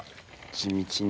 地道に。